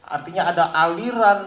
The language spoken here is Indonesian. artinya ada aliran